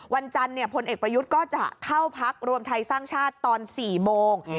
วันจันทร์พลเอกประยุทธ์ก็จะเข้าพักรวมไทยสร้างชาติตอน๔โมง